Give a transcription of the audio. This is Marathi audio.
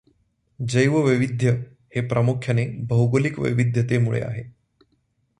जैववैविध्य हे प्रामुख्याने भौगोलिक वैविध्यतेमुळे आहे.